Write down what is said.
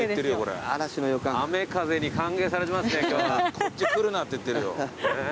こっち来るなって言ってるよ。